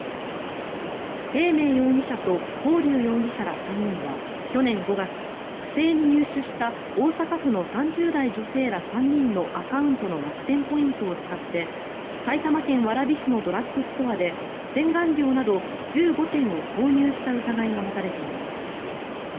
テイ・メイ容疑者とコウ・リュウ容疑者ら３人は去年５月、不正に入手した大阪府の３０代女性ら３人のアカウントの楽天ポイントを使って埼玉県蕨市のドラッグストアで洗顔料など１５点を購入した疑いが持たれています。